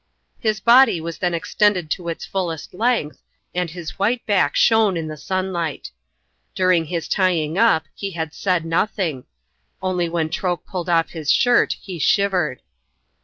His body was then extended to its fullest length, and his white back shone in the sunlight. During his tying up he had said nothing only when Troke pulled off his shirt he shivered.